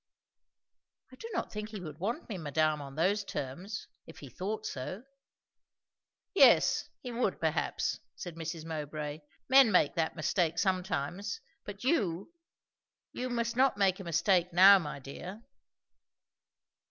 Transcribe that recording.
"I do not think he would want me, madame, on those terms, if he thought so." "Yes, he would, perhaps," said Mrs. Mowbray. "Men make that mistake sometimes. But you you must not make a mistake now, my dear!"